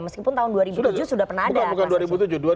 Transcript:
meskipun tahun dua ribu tujuh sudah pernah ada